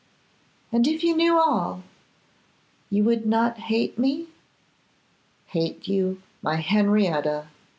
'And if you knew all, you would not hate me?' 'Hate you, my Henrietta!